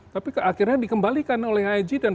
tapi akhirnya dikembalikan oleh haji dan